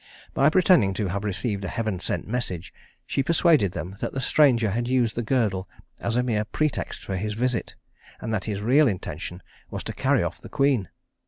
By pretending to have received a heaven sent message, she persuaded them that the stranger had used the girdle as a mere pretext for his visit, and that his real intention was to carry off the queen.